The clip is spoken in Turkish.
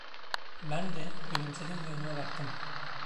Ben de gülümsedim ve önüme baktım.